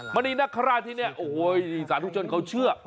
มณีนคราชที่นี่โอ้โหสาธุชนเขาเชื่อ